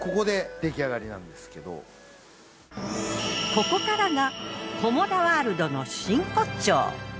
ここからが菰田ワールドの真骨頂。